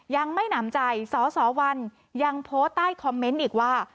ยังไม่หนำใจสสวันยังโพสต์ใต้คอมเมนต์อีกว่า